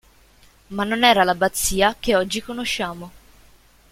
Ma non era l'abbazia che oggi conosciamo.